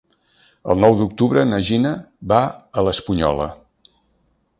El nou d'octubre na Gina va a l'Espunyola.